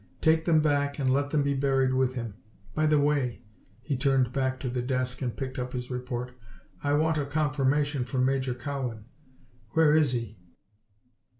Take them back and let them be buried with him. By the way," he turned back to the desk and picked up his report, "I want a confirmation from Major Cowan. Where is he?"